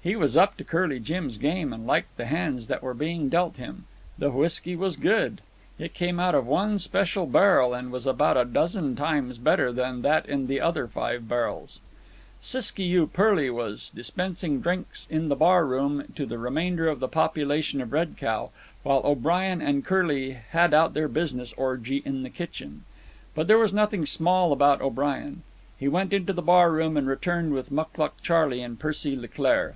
He was up to Curly Jim's game, and liked the hands that were being dealt him. The whisky was good. It came out of one special barrel, and was about a dozen times better than that in the other five barrels. Siskiyou Pearly was dispensing drinks in the bar room to the remainder of the population of Red Cow, while O'Brien and Curly had out their business orgy in the kitchen. But there was nothing small about O'Brien. He went into the bar room and returned with Mucluc Charley and Percy Leclaire.